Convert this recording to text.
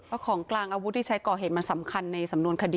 ของกลางอาวุธที่ใช้ก่อเหตุมันสำคัญในสำนวนคดี